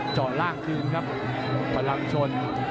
เจาะล่างคืนครับพลังชน